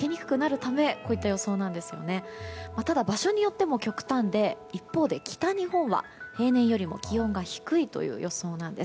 ただ、場所によっても極端で一方で北日本は平年よりも気温が低いという予想なんです。